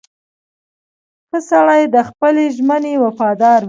• ښه سړی د خپلې ژمنې وفادار وي.